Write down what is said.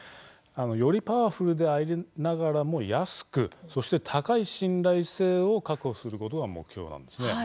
よりパワフルでありながらも安くそして、高い信頼性を確保することが目標なんです。